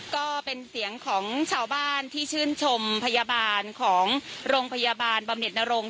ก็เป็นเสียงของชาวบ้านที่ชื่นชมพยาบาลของโรงพยาบาลบำเน็ตนรงค